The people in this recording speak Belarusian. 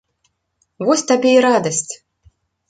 Вось табе і радасць.